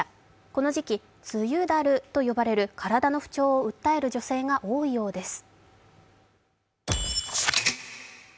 この時期、梅雨だると呼ばれる体の不調を訴える女性が多いようです。